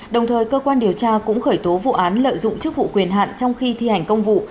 đồng thời cơ quan điều tra cũng khởi tố vụ án lợi dụng chức vụ quyền hạn trong khi thi hành công vụ